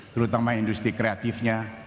terutama industri kreatifnya